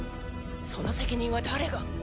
その責任は誰が。